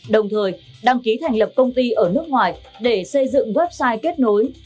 đồng thời đăng ký thành lập công ty ở nước ngoài để xây dựng website kết nối